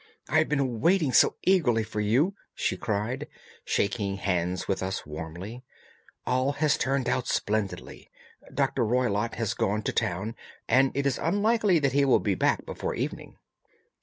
"I have been waiting so eagerly for you," she cried, shaking hands with us warmly. "All has turned out splendidly. Dr. Roylott has gone to town, and it is unlikely that he will be back before evening."